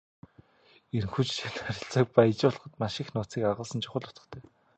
Энэхүү жишээ нь харилцааг баяжуулахад маш их нууцыг агуулсан чухал утгатай.